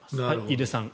井出さん。